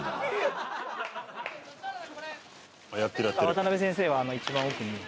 渡邊先生は一番奥に。